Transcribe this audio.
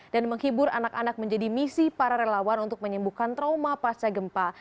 dan menghibur anak anak menjadi misi para relawan untuk menyembuhkan trauma pasca gempa